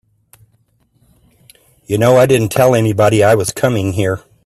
You know I didn't tell anybody I was coming here.